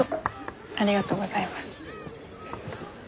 ありがとうございます。